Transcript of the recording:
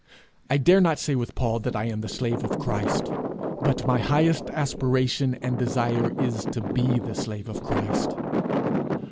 I dare not say with Paul that I am the slave of Christ; but my highest aspiration and desire is to be the slave of Christ.